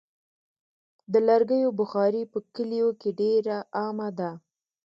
د لرګیو بخاري په کلیو کې ډېره عامه ده.